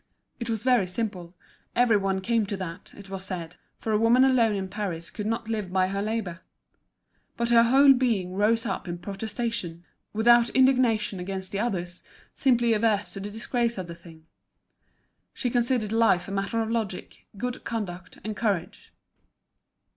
It was very simple, every one came to that, it was said; for a woman alone in Paris could not live by her labour. But her whole being rose up in protestation, without indignation against the others, simply averse to the disgrace of the thing. She considered life a matter of logic, good conduct, and courage.